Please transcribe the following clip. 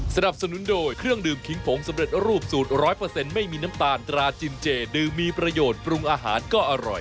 สนับสนุนโดยเครื่องดื่มขิงผงสำเร็จรูปสูตร๑๐๐ไม่มีน้ำตาลตราจินเจดื่มมีประโยชน์ปรุงอาหารก็อร่อย